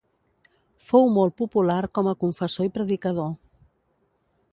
Fou molt popular com a confessor i predicador.